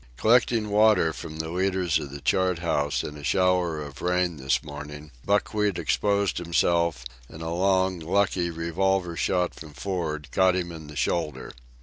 Collecting water from the leaders of the chart house in a shower of rain this morning, Buckwheat exposed himself, and a long, lucky revolver shot from for'ard caught him in the shoulder.